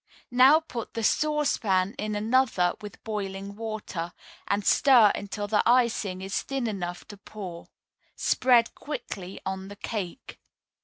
Now put the saucepan in another with boiling water, and stir until the icing is thin enough to pour. Spread quickly on the cake.